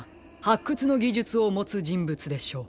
くつのぎじゅつをもつじんぶつでしょう。